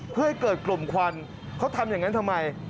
เพื่อให้เกิดกลุ่มควันเขาทำอย่างนั้นทำไม